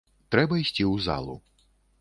Трэба ісці ў залу.